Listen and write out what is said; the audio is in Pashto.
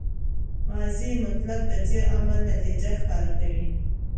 ماضي مطلق د تېر عمل نتیجه ښکاره کوي.